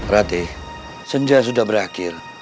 rade senja sudah berakhir